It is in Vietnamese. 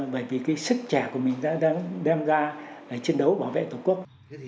bởi vì cái sức trẻ của mình đã đem ra chiến đấu bảo vệ tổ quốc